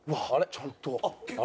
ちゃんと。